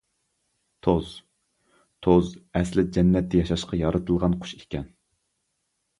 توز توز ئەسلى جەننەتتە ياشاشقا يارىتىلغان قۇش ئىكەن.